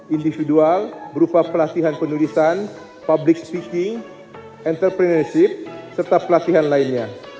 individual berupa pelatihan penulisan public speaking entrepreneurship serta pelatihan lainnya